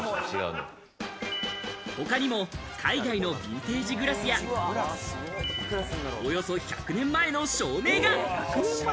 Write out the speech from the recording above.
他にも海外のビンテージグラスや、およそ１００年前の照明が。